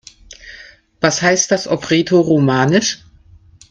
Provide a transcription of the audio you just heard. Was heißt das auf Rätoromanisch?